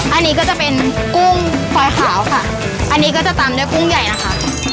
อันนี้ก็จะเป็นกุ้งควายขาวค่ะอันนี้ก็จะตามด้วยกุ้งใหญ่นะคะ